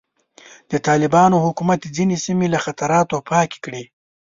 د طالبانو حکومت ځینې سیمې له خطراتو پاکې کړې.